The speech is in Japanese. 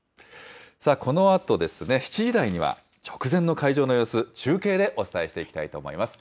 さあ、このあと７時台には、直前の会場の様子、中継でお伝えしていきたいと思います。